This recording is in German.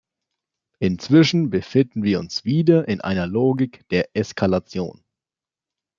Inzwischen befinden wir uns wieder in einer Logik der Eskalation.